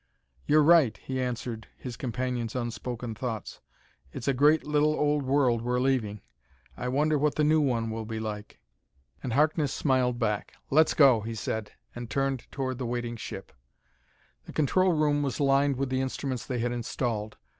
"You're right," he answered his companion's unspoken thoughts; "it's a great little old world we're leaving. I wonder what the new one will be like." And Harkness smiled back. "Let's go!" he said, and turned toward the waiting ship. The control room was lined with the instruments they had installed.